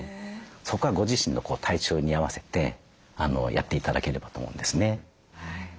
そこはご自身の体調に合わせてやって頂ければと思うんですね。